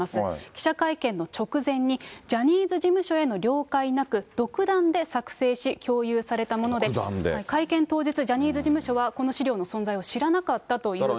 記者会見の直前に、ジャニーズ事務所への了解なく、独断で作成し、共有されたもので、会見当日、ジャニーズ事務所はこの資料の存在を知らなかったということです。